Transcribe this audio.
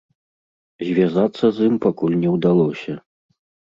Звязацца з ім пакуль не ўдалося.